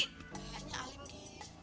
bukannya alim gitu